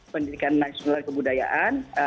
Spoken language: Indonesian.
pendidikan nasional kebudayaan